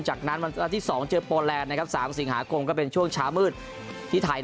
จากนั้นวันที่๒เจอโปแลนด์๓สิงหาคมก็เป็นช่วงเช้ามืดที่ไทย